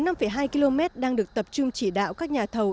còn năm tám km còn năm hai km đang được tập trung chỉ đạo các nhà thầu